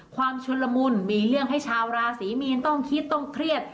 ชนละมุนมีเรื่องให้ชาวราศีมีนต้องคิดต้องเครียด